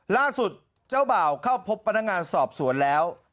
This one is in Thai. ล่าสุดเจ้าบ่าวเข้าพบพนักงานสอบสวนแล้ว